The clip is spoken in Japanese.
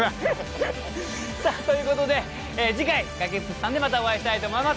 さあということで次回「崖っぷちさん」でまたお会いしたいと思います。